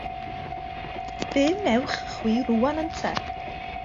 Be wnewch chwi rwan, ynte?